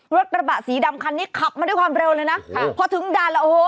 รถกระบะสีดำคันนี้ขับมาด้วยความเร็วเลยนะค่ะพอถึงด่านแล้วโอ้โห